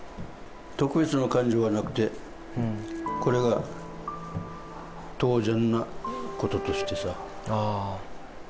特別な感情はなくて、これが当然なこととしてさ。